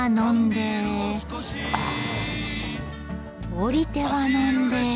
降りては呑んで。